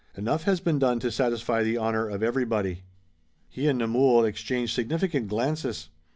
Enough has been done to satisfy the honor of everybody." He and Nemours exchanged significant glances.